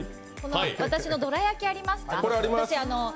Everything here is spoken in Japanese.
私のどら焼きありますか？